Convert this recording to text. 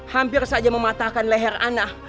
hampir saja mematahkan leher anak